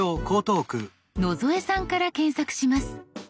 野添さんから検索します。